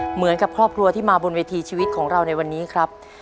เหมือนกับครอบครัวที่มาบนเวทีชีวิตของเราในวันนี้ครับ